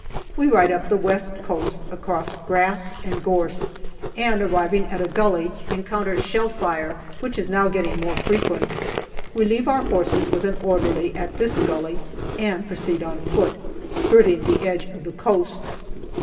We ride up the west coast across grass and gorse, and arriving at a gully, encounter shell fire, which is now getting more frequent. We leave our horses with an orderly at this gully and proceed on foot, skirting the edge of the coast.